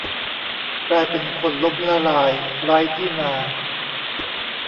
กลายเป็นคนล้มละลายไร้ที่นา